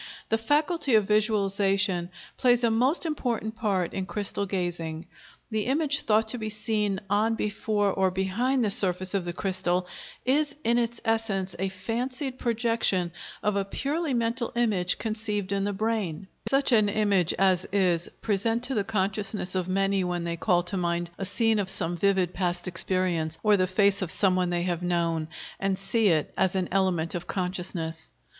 The faculty of visualization plays a most important part in crystal gazing. The image thought to be seen on, before, or behind the surface of the crystal, is in its essence a fancied projection of a purely mental image conceived in the brain; such an image as is present to the consciousness of many when they call to mind a scene of some vivid past experience, or the face of someone they have known, and see it as an element of consciousness.